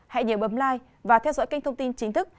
hãy nhớ bấm lai và theo dõi kênh thông tin chính thức